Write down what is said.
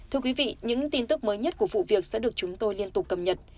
thưa quý vị những tin tức mới nhất của vụ việc sẽ được chúng tôi liên tục cập nhật